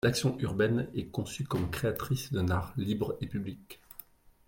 L’action urbaine est conçue comme créatrice d’un art libre et public.